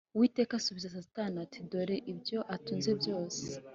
Uwiteka asubiza Satani ati “Dore ibyo atunze byose